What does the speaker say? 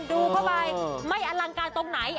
ดูเข้าไปไม่อลังการตรงไหน